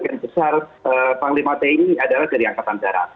bagian besar panglima ti adalah dari angkatan darat